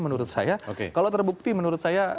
menurut saya kalau terbukti menurut saya